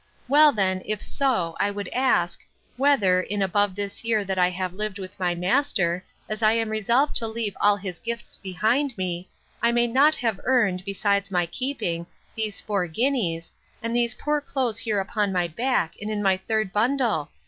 Well then, if so, I would ask, Whether, in above this year that I have lived with my master, as I am resolved to leave all his gifts behind me, I may not have earned, besides my keeping, these four guineas, and these poor clothes here upon my back, and in my third bundle?